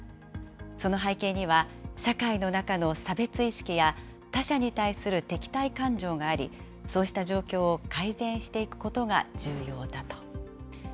その背景には、社会の中の差別意識や、他者に対する敵対感情があり、そうした状況を改善していくことが重要だと。